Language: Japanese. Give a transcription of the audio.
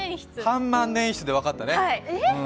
半万年筆で分かったね。